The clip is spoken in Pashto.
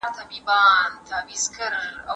سبزیجات د مور له خوا جمع کيږي